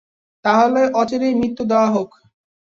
তাহলে অচিরেই মৃত্যু দেয়া হোক।